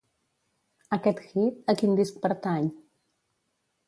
Aquest hit a quin disc pertany?